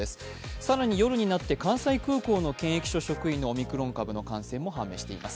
更に夜になって関西空港の職員のオミクロン株への感染が判明しています。